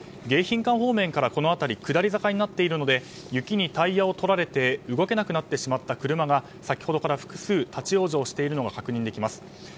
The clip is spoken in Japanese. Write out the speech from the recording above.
迎賓館方面からこの辺り下り坂になっているので雪にタイヤを取られて動けなくなってしまった車が先ほどから複数、立ち往生しているのが確認できます。